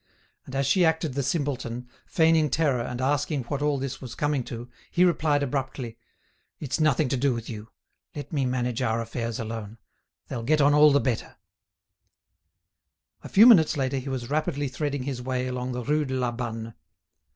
And as she acted the simpleton, feigning terror and asking what all this was coming to, he replied abruptly: "It's nothing to do with you. Let me manage our affairs alone. They'll get on all the better." A few minutes later he was rapidly threading his way along the Rue de la Banne.